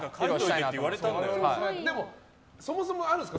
でも、そもそもあるんですか？